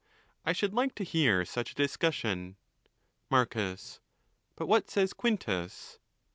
—I should like to hear sucha discussion. Marcus.—But what says Quintus